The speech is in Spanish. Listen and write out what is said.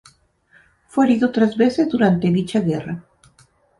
Fue herido tres veces durante dicha guerra.